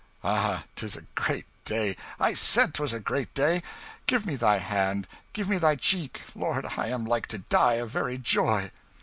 Ah, 'tis a great day I said 'twas a great day! Give me thy hand, give me thy cheek lord, I am like to die of very joy!"